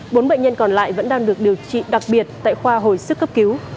bốn bệnh nhân còn lại vẫn đang được điều trị đặc biệt tại khoa hồi sức cấp cứu